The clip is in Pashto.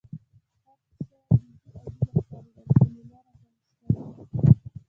هر څه بیخي عجيبه ښکارېدل، جميله راته موسکۍ شوه.